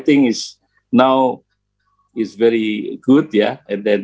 dan mudah untuk diakses oleh orang orang